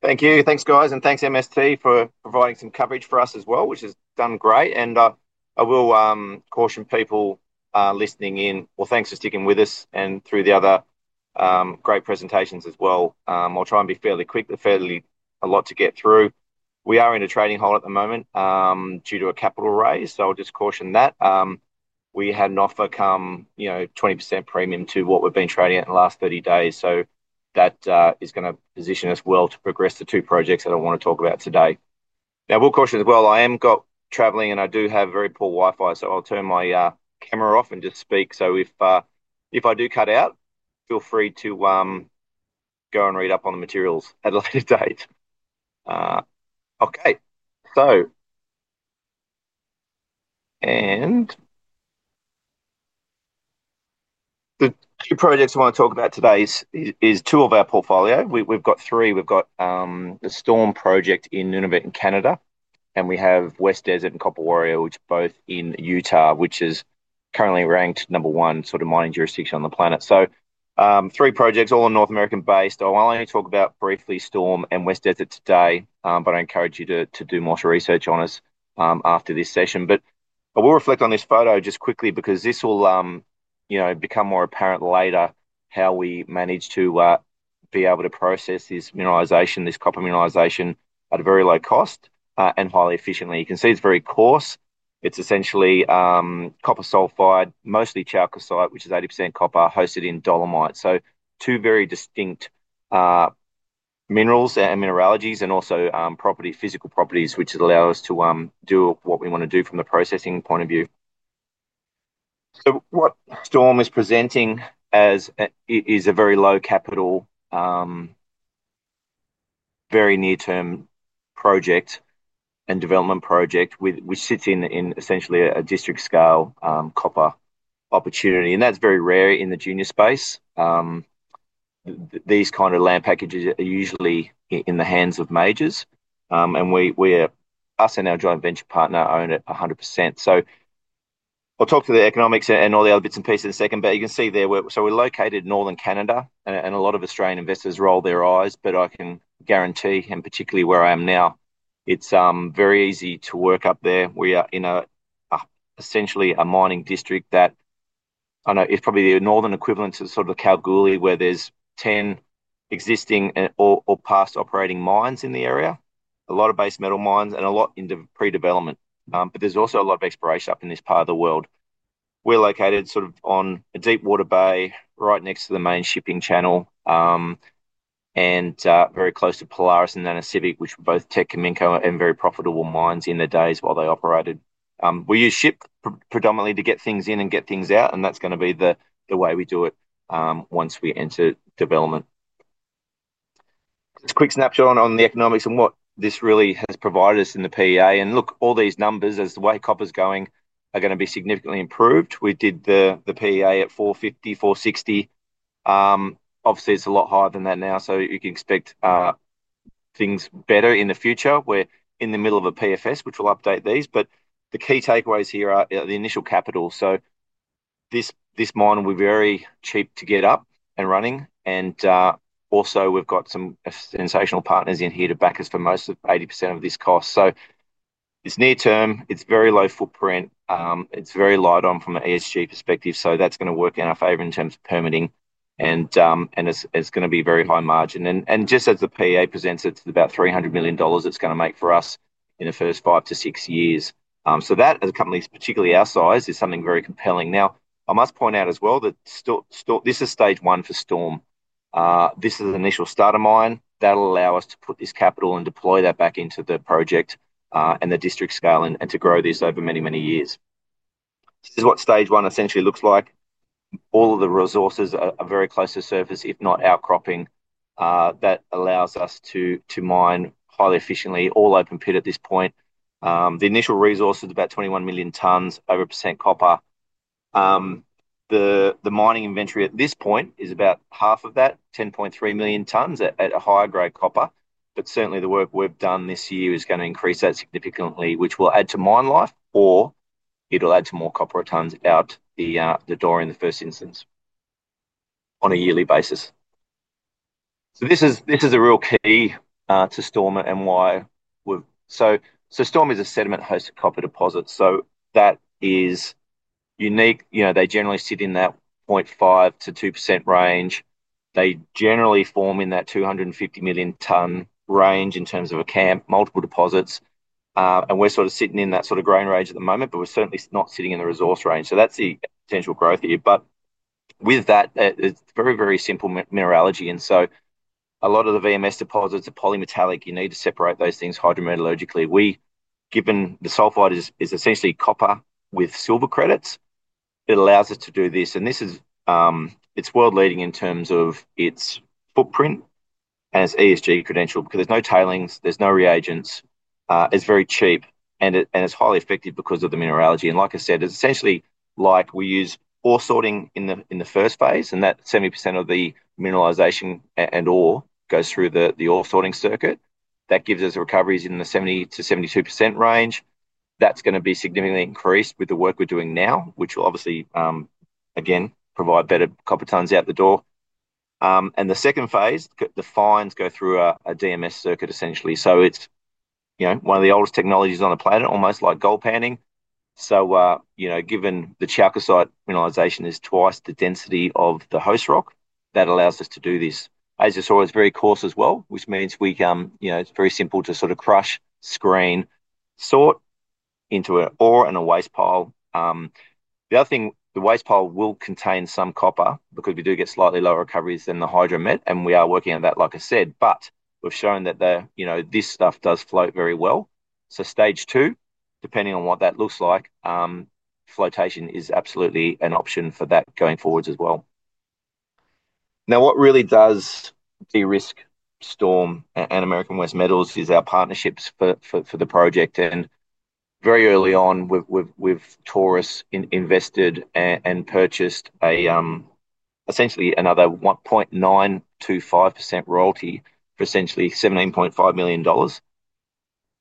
Thank you. Thanks, guys, and thanks, MST, for providing some coverage for us as well, which has done great. I will caution people listening in, thanks for sticking with us and through the other great presentations as well. I'll try and be fairly quick. There's fairly a lot to get through. We are in a trading halt at the moment due to a capital raise, so I'll just caution that. We had an offer come, you know, 20% premium to what we've been trading at in the last 30 days. That is going to position us well to progress the two projects that I want to talk about today. I will caution as well, I am traveling and I do have very poor Wi-Fi, so I'll turn my camera off and just speak. If I do cut out, feel free to go and read up on the materials at a later date. The two projects I want to talk about today are two of our portfolio. We've got three. We've got the Storm Project in Nunavut in Canada, and we have West Desert and Copper Warrior, which are both in Utah, which is currently ranked number one sort of mining jurisdiction on the planet. Three projects, all North American based. I'll only talk about briefly Storm and West Desert today, but I encourage you to do more research on us after this session. I will reflect on this photo just quickly because this will become more apparent later how we manage to be able to process this mineralization, this copper mineralization at a very low cost and highly efficiently. You can see it's very coarse. It's essentially copper sulfide, mostly chalcocite, which is 80% copper, hosted in dolomite. Two very distinct minerals and mineralogies and also physical properties, which allow us to do what we want to do from the processing point of view. So what storm is presenting is a very low capital, very near-term project and development project, which sits in essentially a district-scale copper opportunity. That's very rare in the junior space. These kind of land packages are usually in the hands of majors. We, us and our joint venture partner, own it 100%. I'll talk to the economics and all the other bits and pieces in a second. You can see there, we're located in northern Canada, and a lot of Australian investors roll their eyes, but I can guarantee, and particularly where I am now, it's very easy to work up there. We are in essentially a mining district that, I don't know, it's probably the northern equivalent to sort of the Kalgoorlie, where there's 10 existing or past operating mines in the area, a lot of base metal mines and a lot in pre-development. There's also a lot of exploration up in this part of the world. We're located sort of on a deep-water bay, right next to the main shipping channel, and very close to Polaris and Nanisivik, which were both Teck, coming and very profitable mines in the days while they operated. We use ship predominantly to get things in and get things out, and that's going to be the way we do it once we enter development. It's a quick snapshot on the economics and what this really has provided us in the PEA. All these numbers, as the way copper's going, are going to be significantly improved. We did the PEA at $4.50, $4.60. Obviously, it's a lot higher than that now, so you can expect things better in the future. We're in the middle of a PFS, which will update these. The key takeaways here are the initial capital. This mine will be very cheap to get up and running. We've got some sensational partners in here to back us for most of 80% of this cost. It's near-term, it's very low footprint, it's very light on from an ESG perspective, so that's going to work in our favor in terms of permitting, and it's going to be very high margin. Just as the PEA presents it, it's about $300 million it's going to make for us in the first five to six years. That, as a company particularly our size, is something very compelling. I must point out as well that this is stage one for Storm. This is an initial starter mine that will allow us to put this capital and deploy that back into the project and the district scale and to grow this over many, many years. This is what stage one essentially looks like. All of the resources are very close to surface, if not outcropping. That allows us to mine highly efficiently, all open pit at this point. The initial resource is about 21 million tons over percent copper. The mining inventory at this point is about half of that, 10.3 million tons at a higher grade copper. Certainly, the work we've done this year is going to increase that significantly, which will add to mine life, or it'll add to more copper at times out the door in the first instance on a yearly basis. This is a real key to Storm and why we've... Storm is a sediment hosted copper deposit. That is unique. They generally sit in that 0.5%-2% range. They generally form in that 250 million ton range in terms of a camp, multiple deposits. We're sort of sitting in that sort of grain range at the moment, but we're certainly not sitting in the resource range. That's the potential growth here. With that, it's a very, very simple mineralogy. A lot of the VMS deposits are polymetallic. You need to separate those things hydrometallurgically. Given the sulfide is essentially copper with silver credits, it allows us to do this. It's world leading in terms of its footprint and its ESG credentials because there's no tailings, there's no reagents, it's very cheap, and it's highly effective because of the mineralogy. Like I said, it's essentially like we use ore sorting in the first phase, and that 70% of the mineralization and ore goes through the ore sorting circuit. That gives us recoveries in the 70%-72% range. That's going to be significantly increased with the work we're doing now, which will obviously, again, provide better copper tons out the door. In the second phase, the fines go through a DMS circuit essentially. It's one of the oldest technologies on the planet, almost like gold panning. Given the chalcocite mineralization is twice the density of the host rock, that allows us to do this. As you saw, it's very coarse as well, which means it's very simple to sort of crush, screen, sort into an ore and a waste pile. The other thing, the waste pile will contain some copper because we do get slightly lower recoveries than the hydromet, and we are working on that, like I said. We've shown that this stuff does float very well. Stage two, depending on what that looks like, flotation is absolutely an option for that going forwards as well. Now, what really does de-risk Storm and American West Metals is our partnerships for the project. Very early on, we've had Taurus invested and purchased essentially another 1.925% royalty for essentially $17.5 million.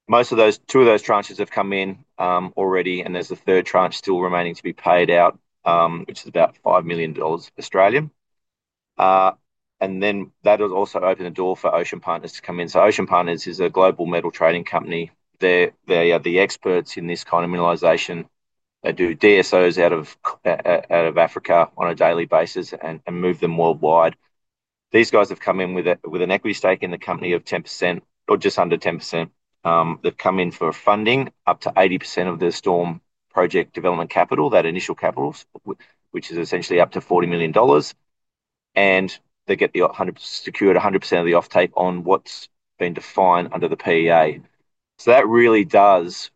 Most of those, two of those tranches have come in already, and there's a third tranche still remaining to be paid out, which is about $5 million Australian. That has also opened the door for Ocean Partners to come in. Ocean Partners is a global metals trading company. They are the experts in this kind of mineralization. They do DSOs out of Africa on a daily basis and move them worldwide. These guys have come in with an equity stake in the company of 10% or just under 10%. They've come in for funding up to 80% of the Storm roject development capital, that initial capital, which is essentially up to $40 million. They get the secured 100% of the offtake on what's been defined under the PEA. That really does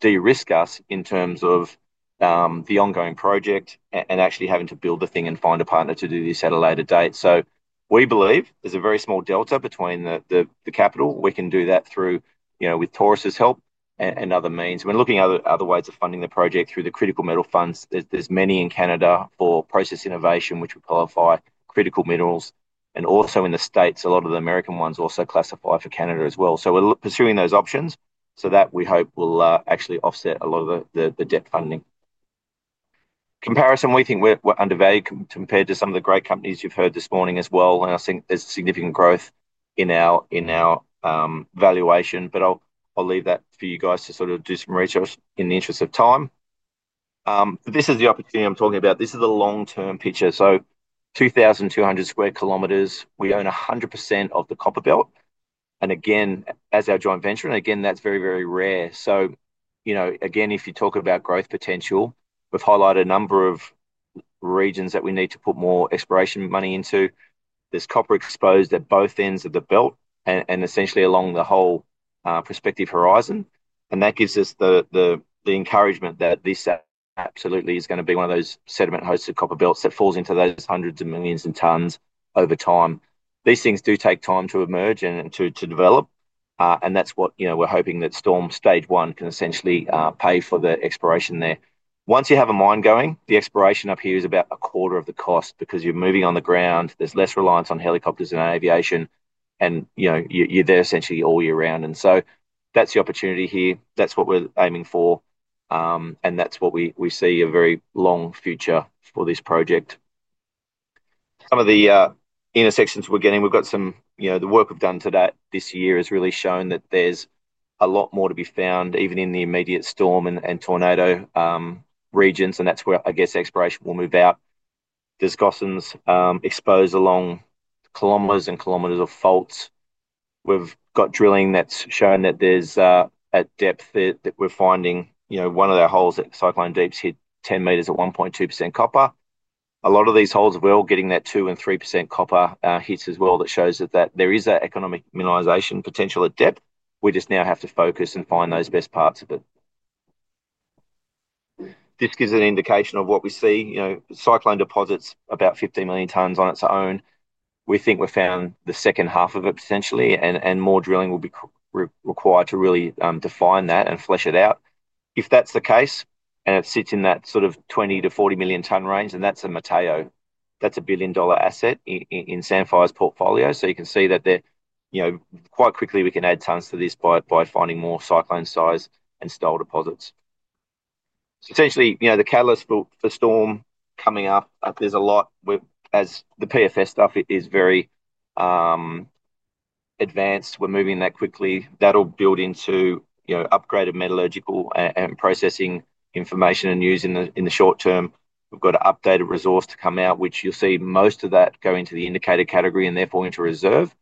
de-risk us in terms of the ongoing project and actually having to build the thing and find a partner to do this at a later date. We believe there's a very small delta between the capital. We can do that through, you know, with Taurus's help and other means. We're looking at other ways of funding the project through the critical metal funds. There's many in Canada for process innovation, which would qualify critical minerals. Also in the States, a lot of the American ones also classify for Canada as well. We're pursuing those options so that we hope will actually offset a lot of the debt funding. Comparison, we think we're undervalued compared to some of the great companies you've heard this morning as well. I think there's significant growth in our valuation. I'll leave that for you guys to sort of do some research in the interest of time. This is the opportunity I'm talking about. This is the long-term picture. 2,200 sq km, we own 100% of the copper belt. Again, as our joint venture, that's very, very rare. If you talk about growth potential, we've highlighted a number of regions that we need to put more exploration money into. There's copper exposed at both ends of the belt and essentially along the whole prospective horizon. That gives us the encouragement that this absolutely is going to be one of those sediment hosted copper belts that falls into those hundreds of millions in tons over time. These things do take time to emerge and to develop. That's what, you know, we're hoping that Storm stage one can essentially pay for the exploration there. Once you have a mine going, the exploration up here is about a quarter of the cost because you're moving on the ground. There's less reliance on helicopters and aviation. You're there essentially all year round. That's the opportunity here. That's what we're aiming for. That's what we see, a very long future for this project. Some of the intersections we're getting, we've got some, you know, the work we've done to that this year has really shown that there's a lot more to be found even in the immediate storm and tornado regions. That's where I guess exploration will move out. There's gossans exposed along kilometers and kilometers of faults. We've got drilling that's shown that there's a depth that we're finding, you know, one of the holes at cyclone deeps hit 10 m at 1.2% copper. A lot of these holes as well, getting that 2% and 3% copper hits as well, that shows that there is an economic mineralization potential at depth. We just now have to focus and find those best parts of it. This gives an indication of what we see, you know, Cyclone deposit's about 15 million tons on its own. We think we've found the second half of it potentially, and more drilling will be required to really define that and flesh it out. If that's the case, and it sits in that sort of 20 million-40 million ton range, and that's a Mateo, that's a billion dollar asset in Sandfire's portfolio. You can see that there, you know, quite quickly we can add tons to this by finding more cyclone size and Stall deposits. Essentially, you know, the catalyst for storm coming up, there's a lot. As the PFS stuff is very advanced, we're moving that quickly. That'll build into, you know, upgraded metallurgical and processing information and use in the short term. We've got an updated resource to come out, which you'll see most of that go into the indicated category and therefore into reserve.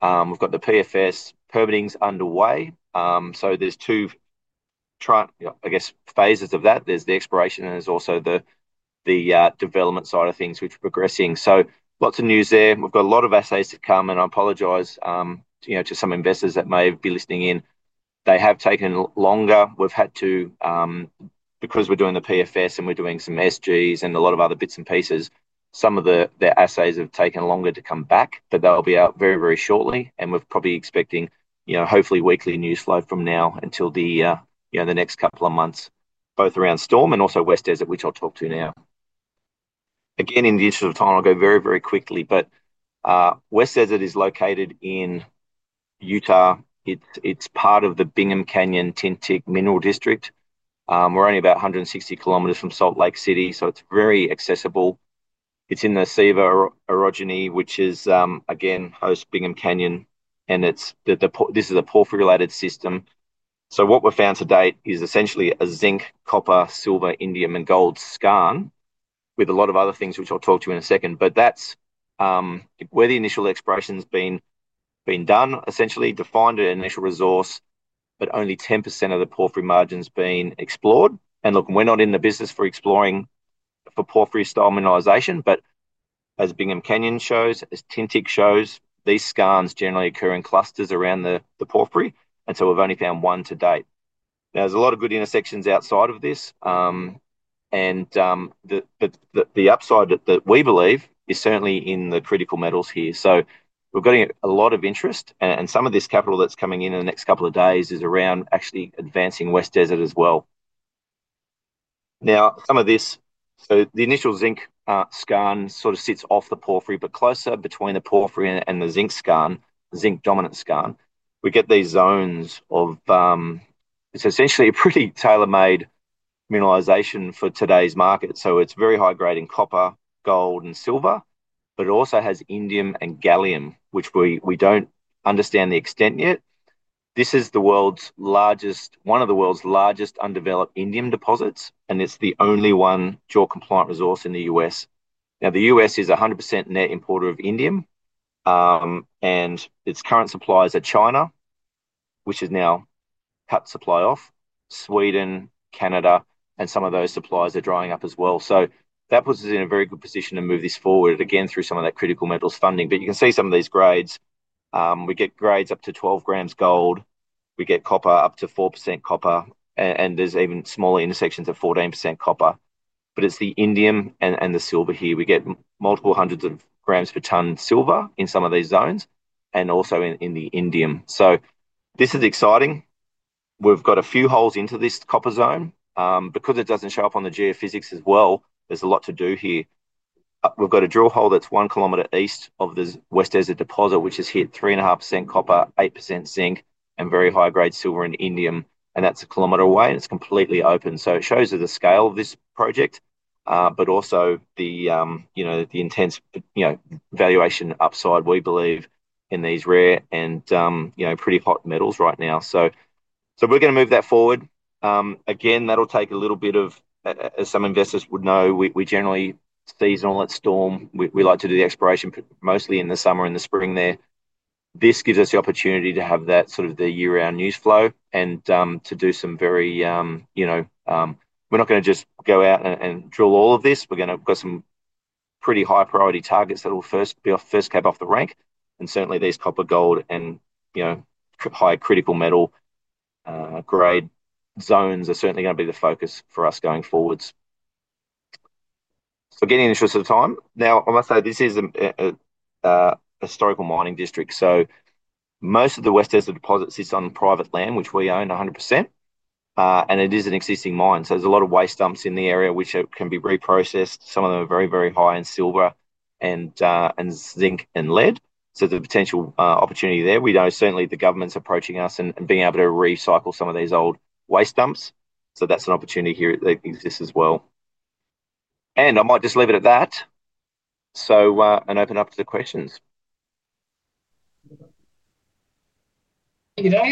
We've got the PFS permitting underway. There's two, I guess, phases of that. There's the exploration and there's also the development side of things, which are progressing. Lots of news there. We've got a lot of assays to come, and I apologize, you know, to some investors that may be listening in. They have taken longer. We've had to, because we're doing the PFS and we're doing some SGs and a lot of other bits and pieces, some of the assays have taken longer to come back, but they'll be out very, very shortly. We're probably expecting, you know, hopefully weekly news flow from now until the, you know, the next couple of months, both around Storm and also West Desert, which I'll talk to now. Again, in the interest of time, I'll go very, very quickly, but West Desert is located in Utah. It's part of the Bingham Canyon Tintic mineral district. We're only about 160 km from Salt Lake City, so it's very accessible. It's in the Sevier Orogeny, which is, again, host to Bingham Canyon, and this is a porphyry-related system. What we've found to date is essentially a zinc, copper, silver, indium, and gold skarn with a lot of other things, which I'll talk to you in a second. That's where the initial exploration's been done, essentially defined an initial resource, but only 10% of the porphyry margin's been explored. Look, we're not in the business for exploring for porphyry-style mineralization, but as Bingham Canyon shows, as Tintic shows, these skarns generally occur in clusters around the porphyry. We've only found one to date. There's a lot of good intersections outside of this. The upside that we believe is certainly in the critical metals here. We're getting a lot of interest, and some of this capital that's coming in in the next couple of days is around actually advancing West Desert as well. Some of this, so the initial zinc skarn sort of sits off the porphyry, but closer between the porphyry and the zinc skarn, zinc dominant skarn, we get these zones of, it's essentially a pretty tailor-made mineralization for today's market. It's very high-grade in copper, gold, and silver, but it also has indium and gallium, which we don't understand the extent yet. This is the world's largest, one of the world's largest undeveloped indium deposits, and it's the only JORC-compliant resource in the U.S. The U.S. is a 100% net importer of indium, and its current suppliers are China, which has now cut supply off, Sweden, Canada, and some of those suppliers are drying up as well. That puts us in a very good position to move this forward again through some of that critical metals funding. You can see some of these grades. We get grades up to 12 g gold. We get copper up to 4% copper, and there's even smaller intersections of 14% copper. It's the indium and the silver here. We get multiple hundreds of grams per ton silver in some of these zones and also in the indium. This is exciting. We've got a few holes into this copper zone. Because it doesn't show up on the geophysics as well, there's a lot to do here. We've got a drill hole that's one kilometer east of the West Desert deposit, which has hit 3.5% copper, 8% zinc, and very high-grade silver and indium. That's a kilometer away, and it's completely open. It shows you the scale of this project, but also the intense valuation upside we believe in these rare and pretty hot metals right now. We're going to move that forward. Again, that'll take a little bit of, as some investors would know, we generally are seasonal at Storm. We like to do the exploration mostly in the summer and the spring there. This gives us the opportunity to have that sort of year-round news flow and to do some very, you know, we're not going to just go out and drill all of this. We've got some pretty high-priority targets that will first be off, first cap off the rank. Certainly, these copper, gold, and high critical metal grade zones are certainly going to be the focus for us going forwards. Getting in the interest of time. I must say this is a historical mining district. Most of the West Desert deposit sits on private land, which we own 100%. It is an existing mine. There's a lot of waste dumps in the area, which can be reprocessed. Some of them are very, very high in silver and zinc and lead. There's a potential opportunity there. We know certainly the government's approaching us and being able to recycle some of these old waste dumps. That's an opportunity here that exists as well. I might just leave it at that and open it up to the questions. You know,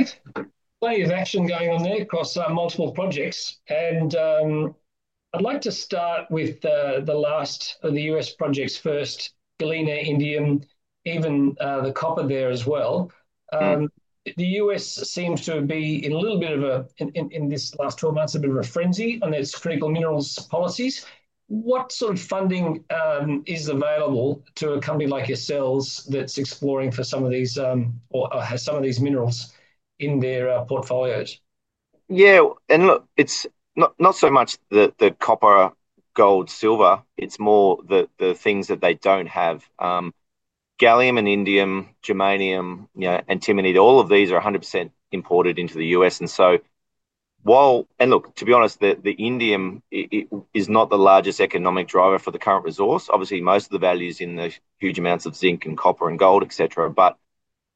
plenty of action going on there across multiple projects. I'd like to start with the last of the U.S. projects first, galena, indium, even the copper there as well. The U.S. seems to be in a little bit of a, in this last 12 months, a bit of a frenzy on its critical minerals policies. What sort of funding is available to a company like yourselves that's exploring for some of these, or has some of these minerals in their portfolios? Yeah, and look, it's not so much the copper, gold, silver. It's more the things that they don't have. Gallium and indium, germanium, you know, and titanium, all of these are 100% imported into the U.S. To be honest, the indium is not the largest economic driver for the current resource. Obviously, most of the value is in the huge amounts of zinc and copper and gold, et cetera.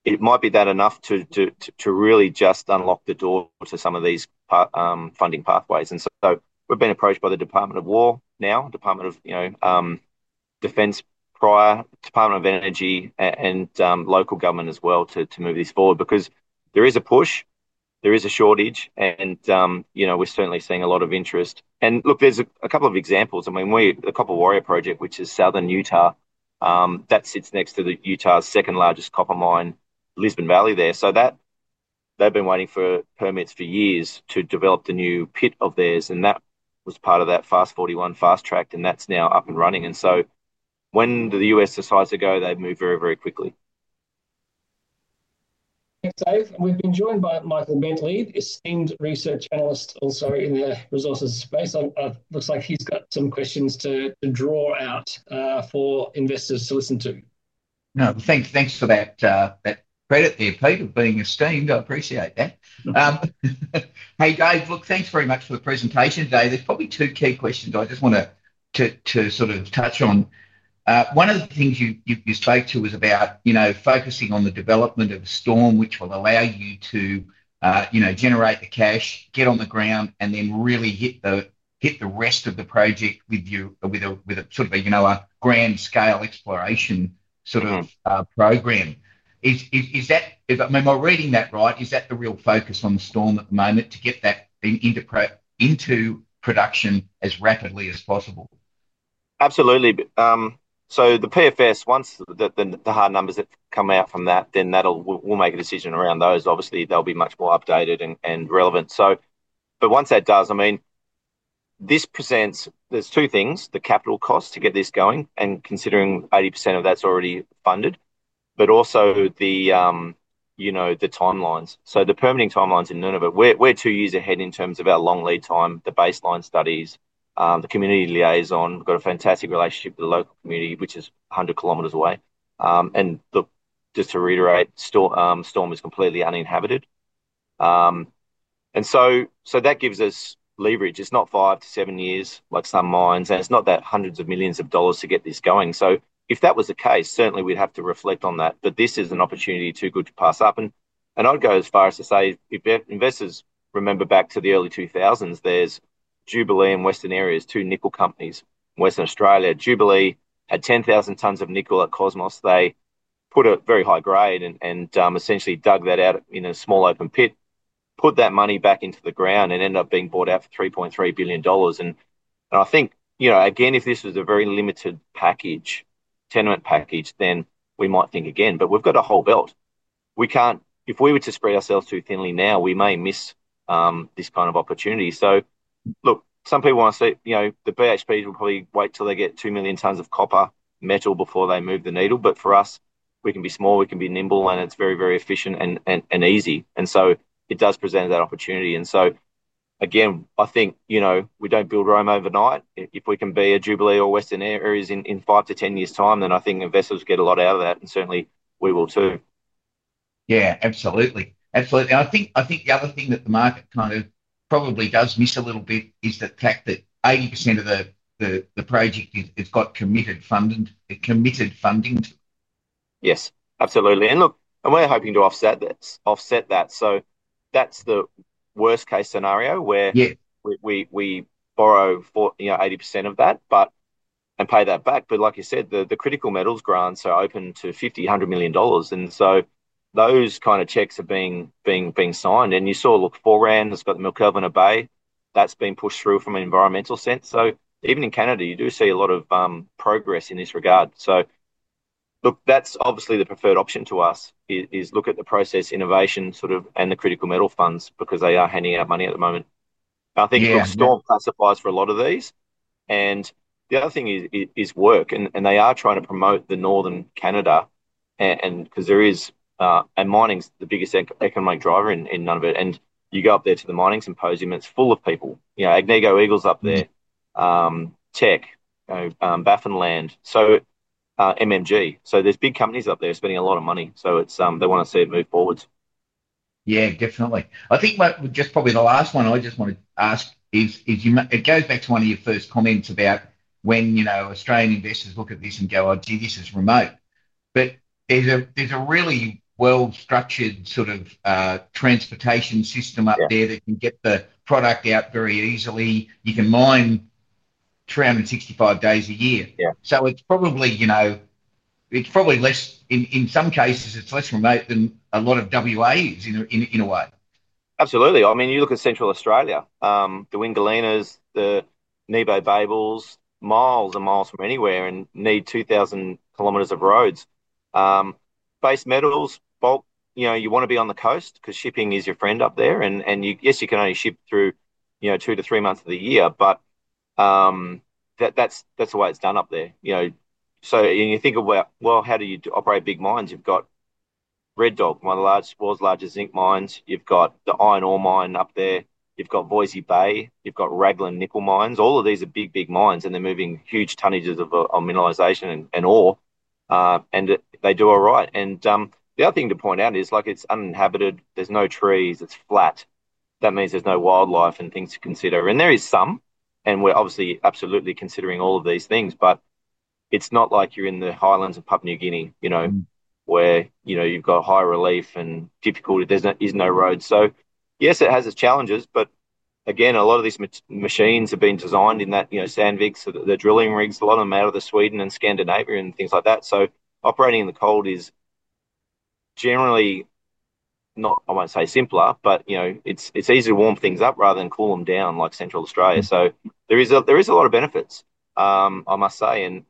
It might be enough to really just unlock the door to some of these funding pathways. We've been approached by the Department of Defense, prior Department of Energy, and local government as well to move this forward because there is a push, there is a shortage, and we're certainly seeing a lot of interest. There are a couple of examples. I mean, we're the Copper Warrior Project, which is southern Utah, that sits next to Utah's second largest copper mine, Lisbon Valley there. They've been waiting for permits for years to develop the new pit of theirs, and that was part of that Fast 41 fast track, and that's now up and running. When the U.S. decides to go, they move very, very quickly. We have been joined by Michael Bentley, esteemed research analyst also in the resources space. It looks like he's got some questions to draw out for investors to listen to. No, thanks for that credit there, Peter, being esteemed. I appreciate that. Hey, Dave, thanks very much for the presentation today. There are probably two key questions I just want to touch on. One of the things you spoke to was about focusing on the development of Storm, which will allow you to generate the cash, get on the ground, and then really hit the rest of the project with you, with a sort of a grand scale exploration program. Am I reading that right? Is that the real focus on Storm at the moment to get that into production as rapidly as possible? Absolutely. The PFS, once the hard numbers that come out from that, then that'll, we'll make a decision around those. Obviously, they'll be much more updated and relevant. Once that does, I mean, this presents, there's two things, the capital cost to get this going and considering 80% of that's already funded, but also the timelines. The permitting timelines in Nunavut, we're two years ahead in terms of our long lead time, the baseline studies, the community liaison. We've got a fantastic relationship with the local community, which is 100 kilometers away. Just to reiterate, Storm is completely uninhabited. That gives us leverage. It's not five to seven years like some mines, and it's not that hundreds of millions of dollars to get this going. If that was the case, certainly we'd have to reflect on that. This is an opportunity too good to pass up. I'd go as far as to say, if investors remember back to the early 2000s, there's Jubilee and Western Areas, two nickel companies, Western Australia. Jubilee had 10,000 tons of nickel at Cosmos. They put a very high grade and essentially dug that out in a small open pit, put that money back into the ground and ended up being bought out for $3.3 billion. If this was a very limited package, tenement package, then we might think again, but we've got a whole belt. If we were to spread ourselves too thinly now, we may miss this kind of opportunity. Some people want to say, the BHPs will probably wait till they get 2 million tons of copper metal before they move the needle. For us, we can be small, we can be nimble, and it's very, very efficient and easy. It does present that opportunity. Again, we don't build Rome overnight. If we can be a Jubilee or Western Areas in five to ten years' time, then I think investors get a lot out of that. Certainly we will too. Absolutely. Absolutely. I think the other thing that the market probably does miss a little bit is the fact that 80% of the project has got committed funding. Yes, absolutely. We're hoping to offset that. That's the worst case scenario where we borrow 80% of that and pay that back. Like you said, the critical minerals grants are open to $50 million, $100 million, and those kind of checks are being signed. You saw Foran has got the McKelvin Bay that's been pushed through from an environmental sense. Even in Canada, you do see a lot of progress in this regard. Obviously, the preferred option to us is to look at the process innovation and the critical minerals funds because they are handing out money at the moment. I think Storm classifies for a lot of these. The other thing is work, and they are trying to promote northern Canada because mining is the biggest economic driver in Nunavut. You go up there to the mining symposium, it's full of people. Agnico Eagle's up there, Teck, Baffinland, MMG. There are big companies up there spending a lot of money. They want to see it move forwards. Yeah, definitely. I think just probably the last one I just want to ask is it goes back to one of your first comments about when, you know, Australian investors look at this and go, "Oh gee, this is remote." There is a really well-structured sort of transportation system up there that can get the product out very easily. You can mine 365 days a year. It's probably, you know, in some cases, less remote than a lot of WAs in a way. Absolutely. I mean, you look at Central Australia, the Wingalina's, the Nebe Babels, miles and miles from anywhere and need 2,000 kM of roads. Base metals, bulk, you know, you want to be on the coast because shipping is your friend up there. Yes, you can only ship through, you know, two to three months of the year, but that's the way it's done up there. You think about, how do you operate big mines? You've got Red Dog, one of the world's largest zinc mines. You've got the iron ore mine up there. You've got Voisey's Bay. You've got Raglan nickel mines. All of these are big, big mines, and they're moving huge tonnages of mineralization and ore. They do all right. The other thing to point out is, it's uninhabited. There's no trees. It's flat. That means there's no wildlife and things to consider. There is some, and we're obviously absolutely considering all of these things, but it's not like you're in the highlands of Papua New Guinea, where you've got high relief and difficulty. There's no road. Yes, it has its challenges, but again, a lot of these machines are being designed in that, you know, sand digs. They're drilling rigs, a lot of them out of Sweden and Scandinavia and things like that. Operating in the cold is generally not, I won't say simpler, but it's easy to warm things up rather than cool them down like Central Australia. There is a lot of benefits, I must say.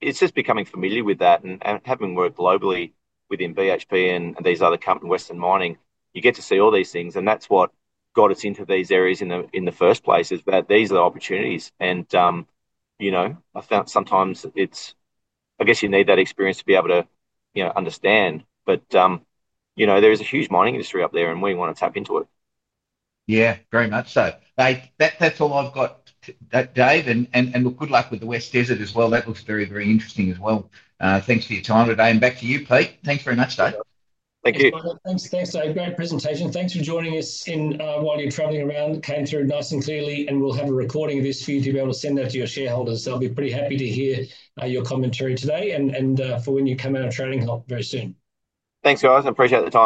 It's just becoming familiar with that and having worked globally within BHP and these other companies in Western mining, you get to see all these things. That's what got us into these areas in the first place is that these are the opportunities. I found sometimes it's, I guess you need that experience to be able to understand. There is a huge mining industry up there, and we want to tap into it. Yeah, very much so. That's all I've got, Dave. Good luck with the West Desert as well. That looks very, very interesting as well. Thanks for your time today. Back to you, Pete. Thanks very much Dave. Thank you. Thanks, guys. A great presentation. Thanks for joining us while you're traveling around. It came through nice and clearly. We'll have a recording of this for you to be able to send out to your shareholders. Pretty happy to hear your commentary today and for when you come out of trading hop very soon. Thanks, guys. Appreciate it.